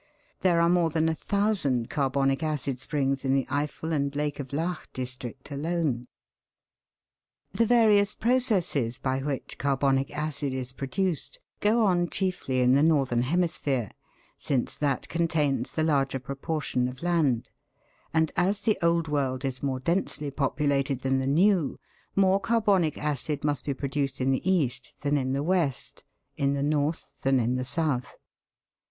There are more than a thousand carbonic acid springs in the Eifel and Lake of Laach district alone. The various processes by which carbonic acid is pro duced go on chiefly in the northern hemisphere, since that 1 68 THE WORLDS LUMBER ROOM. contains the larger proportion of land ; and as the Old World is more densely populated than the New, more carbonic acid must be produced in the East than in the West, in the North than in the South.